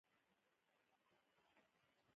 موږ روغتونونه غواړو